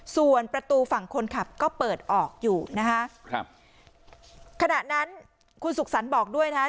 ส่วนประตูฝั่งคนขับก็เปิดออกอยู่นะฮะครับขณะนั้นคุณสุขสรรค์บอกด้วยนะฮะ